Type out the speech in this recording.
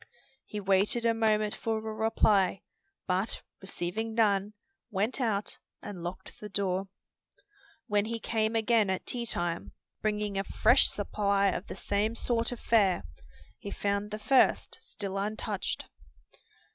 He waited a moment for a reply, but receiving none, went out and locked the door. When he came again at tea time, bringing a fresh supply of the same sort of fare, he found the first still untouched.